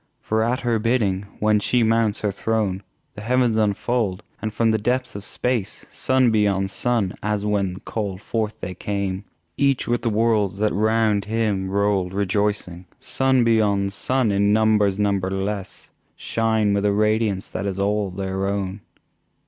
For at her bidding, when She mounts her throne The Heavens unfold, and from the depths of Space Sun beyond Sun, as when called forth they came, Each with the worlds that round him rolled rejoicing, Sun beyond Sun in numbers numberless Shine with a radiance that is all their own!